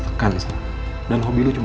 lu gak mau dengerin lu lagi